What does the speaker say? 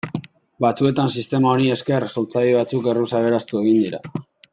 Batzuetan, sistema honi esker, sortzaile batzuk erruz aberastu egin dira.